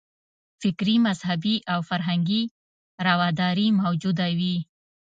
فکري، مذهبي او فرهنګي رواداري موجوده وي.